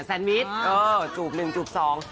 แซนวิชเออจูบหนึ่งจูบสอง